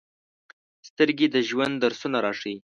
سترګې د ژوند درسونه راښيي